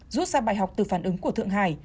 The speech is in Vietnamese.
rút ra bài học từ phản ứng của thượng hải